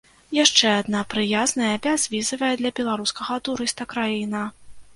Яшчэ адна прыязная, бязвізавая для беларускага турыста краіна.